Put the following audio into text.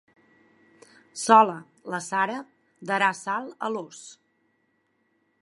Sola, la Sara darà sal a l'ós.